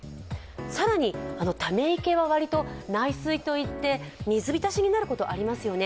更に、溜池は割と内水といって、水浸しになることありますよね。